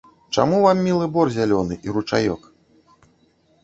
Чаму вам мілы бор зялёны і ручаёк?